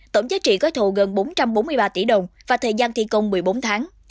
tổng giá trị gói thầu gần bốn trăm bốn mươi ba tỷ đồng và thời gian thi công một mươi bốn tháng